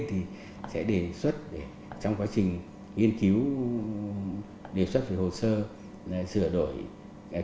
thì sẽ đề xuất để trong quá trình nghiên cứu đề xuất về hồ sơ sửa đổi